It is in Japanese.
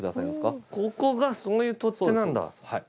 ここがそういう取っ手なんだ。